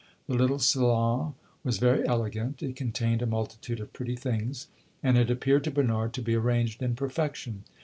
The little salon was very elegant; it contained a multitude of pretty things, and it appeared to Bernard to be arranged in perfection.